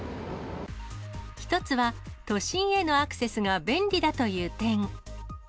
１つは、都心へのアクセスが便利だという点。